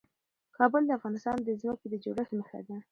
کابل د افغانستان د ځمکې د جوړښت نښه ده.